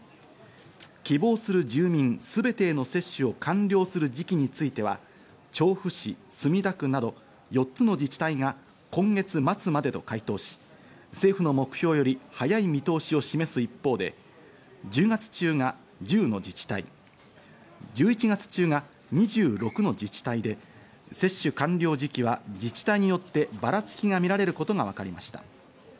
希望する住民すべてへの接種を完了する時期については、調布市、墨田区など４つの自治体が今月末までと回答し、政府の目標より早い見通しを示す一方で、１０月中が１０の自治体、１１月中が２６の自治体で接種完了時期は自治体によってばらつきがみられることがわかりました。